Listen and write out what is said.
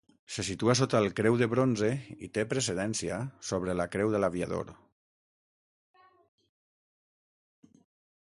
Se situa sota el Creu de Bronze i té precedència sobre la Creu de l'Aviador.